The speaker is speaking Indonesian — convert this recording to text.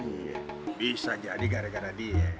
iya bisa jadi gara gara dia